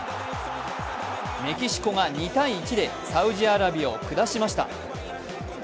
メキシコが２−１でサウジアラビアを下しました。